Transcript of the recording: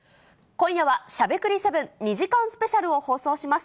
今夜は、しゃべくり００７、２時間スペシャルを放送します。